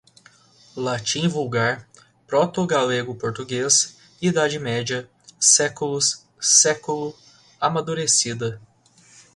latim vulgar, proto-galego-português, Idade Média, séculos, século, amadurecida